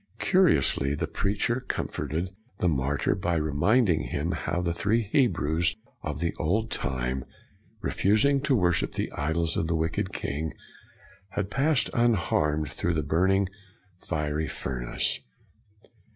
Curiously, the preacher com forted the martyr by reminding him how the three Hebrews of the old time, re fusing to worship the idols of a wicked king, had passed unharmed through the burning, fiery furnace.